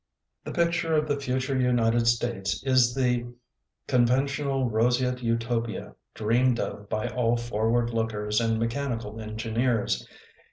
The picture of the future United States is the con ventional roseate Utopia dreamed of by all forward lookers and mechanical engineers.